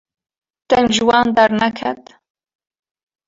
deng ji wan derneket